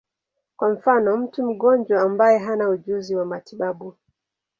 Kwa mfano, mtu mgonjwa ambaye hana ujuzi wa matibabu.